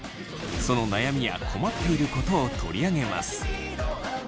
その悩みや困っていることを取り上げます。